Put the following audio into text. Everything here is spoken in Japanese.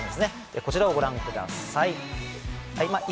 こちらをご覧ください。